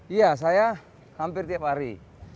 iya saya hampir tiap hari